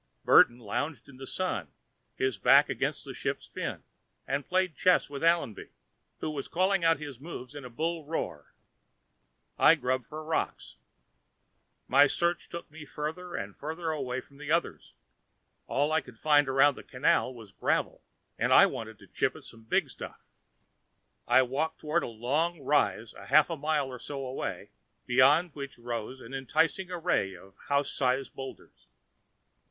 Burton lounged in the Sun, his back against a ship's fin, and played chess with Allenby, who was calling out his moves in a bull roar. I grubbed for rocks. My search took me farther and farther away from the others all I could find around the 'canal' was gravel, and I wanted to chip at some big stuff. I walked toward a long rise a half mile or so away, beyond which rose an enticing array of house sized boulders.